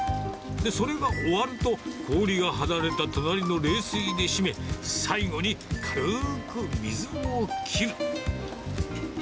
それが終わると、氷が張られた隣の冷水で締め、最後に軽く水を切る。